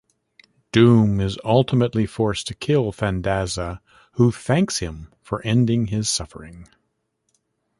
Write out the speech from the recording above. Doom is ultimately forced to kill Thandaza, who thanks him for ending his suffering.